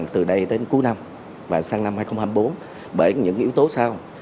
từ đây đến cuối năm và sang năm hai nghìn hai mươi bốn bởi những yếu tố sau